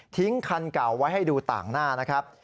คันเก่าไว้ให้ดูต่างหน้านะครับ